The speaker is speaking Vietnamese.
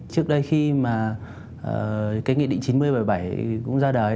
trước đây khi mà cái nghị định chín mươi bảy mươi bảy cũng ra đời